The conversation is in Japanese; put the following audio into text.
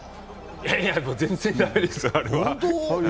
いやいや、全然駄目です、あれは。